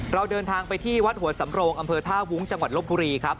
เราเดินทางไปที่วัดหัวสำโรงอำเภอท่าวุ้งจังหวัดลบบุรีครับ